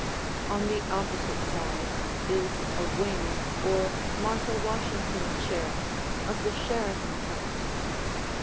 On the opposite side is a wing or Martha Washington chair of the Sheraton type.